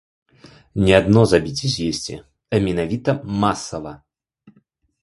Не адно забіць і з'есці, а менавіта масава.